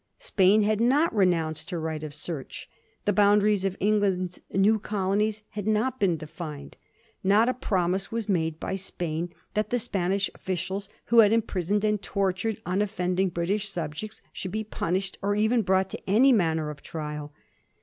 Spain had not renounced her right of search ; the boundaries of England's new colonies had not been defined ; not a promise was made by Spain that the Spanish officials who had imprisoned and tortured unoffending British subjects should be punished, or even brought to any manner of trial.